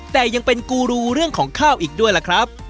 แต่ยังเป็นกูรูเรื่องของข้าวอีกด้วยล่ะครับ